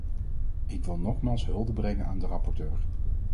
Ik wil nogmaals hulde brengen aan de rapporteur.